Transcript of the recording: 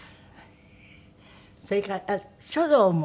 それから書道も。